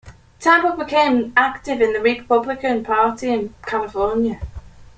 Temple became active in the Republican Party in California.